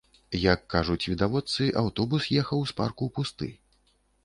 Як кажуць відавочцы, аўтобус ехаў з парку пусты.